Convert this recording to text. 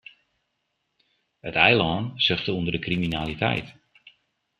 It eilân suchte ûnder de kriminaliteit.